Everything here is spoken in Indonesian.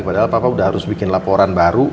padahal papa udah harus bikin laporan baru